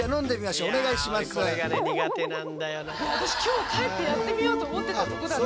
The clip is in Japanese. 私今日帰ってやってみようと思ってたとこだった。